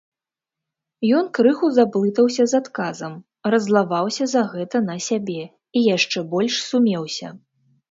Ён крыху заблытаўся з адказам, раззлаваўся за гэта на сябе і яшчэ больш сумеўся.